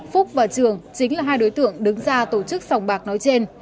phúc và trường chính là hai đối tượng đứng ra tổ chức sòng bạc nói trên